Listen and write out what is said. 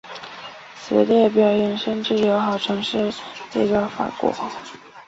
此列表延伸至友好城市列表法国。